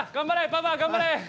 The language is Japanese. パパ頑張れ！